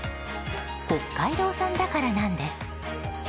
北海道産だからなんです。